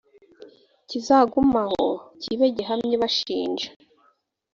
kizagume aho, kibe gihamya ibashinja.